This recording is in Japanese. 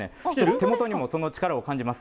手元にもその力を感じます。